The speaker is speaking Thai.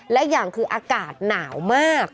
และอย่างคืออากาศหนาวมาก